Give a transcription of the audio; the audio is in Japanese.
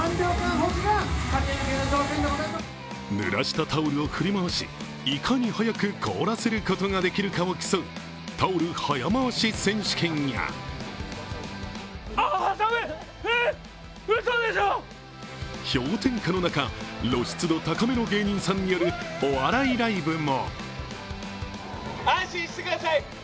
ぬらしたタオルを振り回し、いかに早く凍らせることができるかを競う、タオル早回し選手権や氷点下の中、露出度高めの芸人さんによるお笑いライブも。